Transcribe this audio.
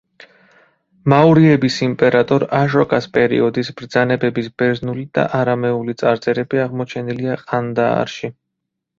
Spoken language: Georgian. მაურიების იმპერატორ აშოკას პერიოდის ბრძანებების ბერძნული და არამეული წარწერები აღმოჩენილია ყანდაარში.